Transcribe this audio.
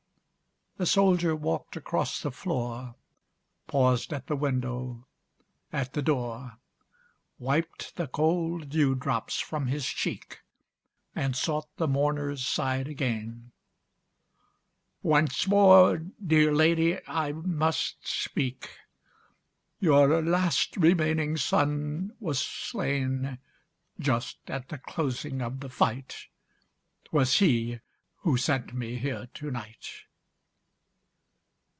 The soldier walked across the floor, Paused at the window, at the door, Wiped the cold dew drops from his cheek And sought the mourner's side again. "Once more, dear lady, I must speak: Your last remaining son was slain Just at the closing of the fight; Twas he who sent me here to night."